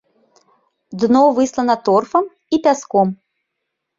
Дно выслана торфам і пяском.